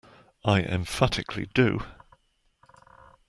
I emphatically do.